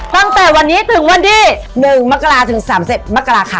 ตั้งแต่วันนี้ถึงวันที่๑มกราถึง๓๐มกราคม